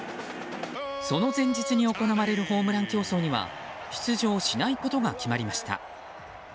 その前日に行われるホームラン競争には出場しないことが決まりました。